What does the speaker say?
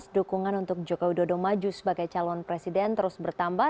dukungan untuk joko widodo maju sebagai calon presiden terus bertambah